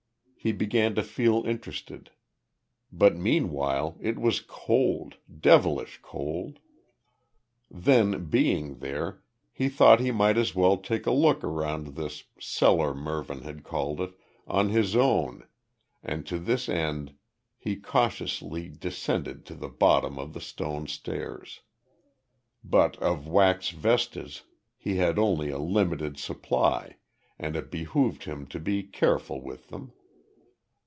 He began to feel interested. But, meanwhile, it was cold devilish cold. Then, being there, he thought he might as well take a look round this cellar, Mervyn had called it on his own, and to this end he cautiously descended to the bottom of the stone stairs. But of wax vestas he had only a limited supply, and it behoved him to be careful with them.